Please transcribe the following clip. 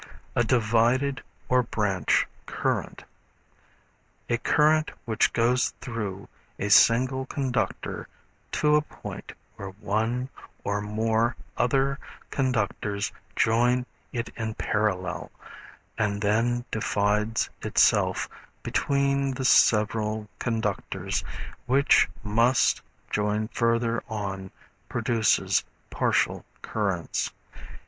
A divided or branch current. A current which goes through a single conductor to a point where one or more other conductors join it in parallel, and then divides itself between the several conductors, which must join further on, produces partial currents.